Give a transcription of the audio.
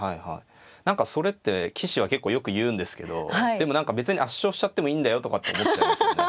何かそれって棋士は結構よく言うんですけどでも何か別に圧勝しちゃってもいいんだよとかって思っちゃいますよね。